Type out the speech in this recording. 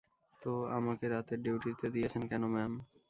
তো আমাকে রাতের ডিউটিতে দিয়েছেন কেন, ম্যাম?